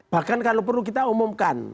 bahkan kalau perlu kita umumkan